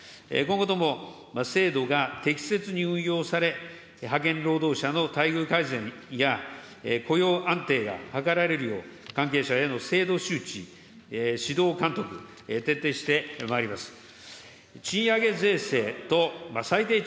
今後とも制度が適切に運用され、派遣労働者の待遇改善や、雇用安定が図られるよう、関係者への制度周知、指導監督、徹底してまいります。